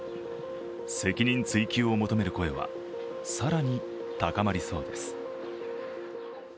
責任追及を求める声は更に高まりそうです。